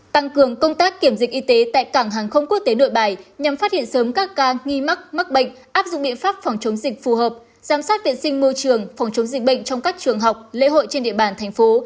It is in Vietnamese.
tăng cường công tác kiểm dịch y tế tại cảng hàng không quốc tế nội bài nhằm phát hiện sớm các ca nghi mắc mắc bệnh áp dụng biện pháp phòng chống dịch phù hợp giám sát viện sinh môi trường phòng chống dịch bệnh trong các trường học lễ hội trên địa bàn thành phố